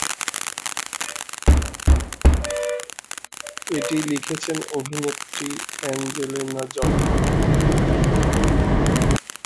এটি লিখেছেন অভিনেত্রী অ্যাঞ্জেলিনা জোলি।